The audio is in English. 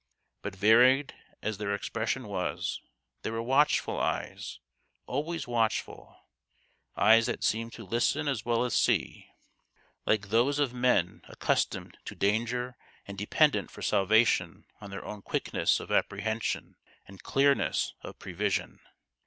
But varied as their expression was, they were watchful eyes always watchful ; eyes that seemed to listen as well as see, like those of men accustomed to danger and dependent for salvation on their own quickness of apprehen sion and clearness of prevision.